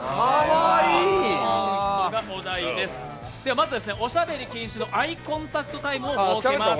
まずはおしゃべり禁止のアイコンタクトタイムを設けます。